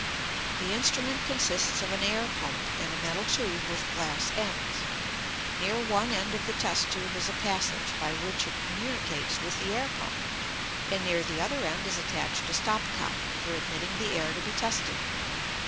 The instrument consists of an air pump and a metal tube with glass ends. Near one end of the test tube is a passage by which it communicates with the air pump, and near the other end is attached a stop cock for admitting the air to be tested.